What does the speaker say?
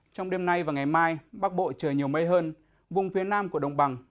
trong đêm nay và ngày mai bắc bộ trời nhiều mây hơn vùng phía nam của đồng bằng